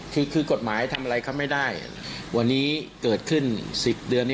คือกฎหมายทำอะไรเขาไม่ได้วันนี้เกิดขึ้น๑๐เดือน